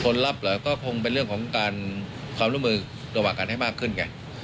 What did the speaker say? รับเหรอก็คงเป็นเรื่องของการความร่วมมือระหว่างกันให้มากขึ้นไง